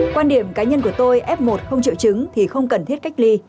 quan điểm cá nhân của tôi f một không triệu chứng thì không cần thiết cách ly